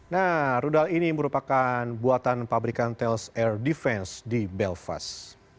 nah rudal ini merupakan buatan pabrikan tales air defense di belvas